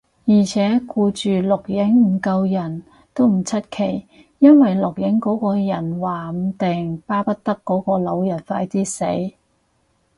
而且，顧住錄影唔救人，都唔出奇，因為錄影嗰個人話唔定巴不得嗰個老人快啲死